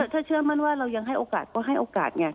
ถ้าเชื่อมั่นว่าเรายังให้โอกาสก็ให้โอกาสไง